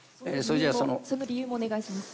その理由もお願いします。